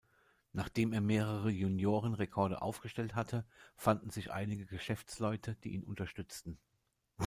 Nachdem er mehrere Junioren-Rekorde aufgestellt hatte, fanden sich einige Geschäftsleute, die ihn unterstützten.